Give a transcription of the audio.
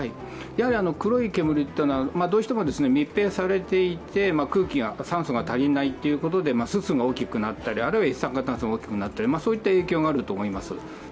黒い煙というのは、どうしても密閉されていて酸素が足りないということで、すすが大きくなったり、あるいは一酸化炭素が大きくなるという影響があると思います。